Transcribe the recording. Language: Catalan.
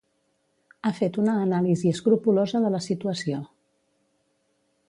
Ha fet una anàlisi escrupolosa de la situació.